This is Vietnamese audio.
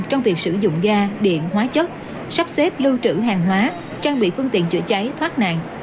trong việc sử dụng ga điện hóa chất sắp xếp lưu trữ hàng hóa trang bị phương tiện chữa cháy thoát nạn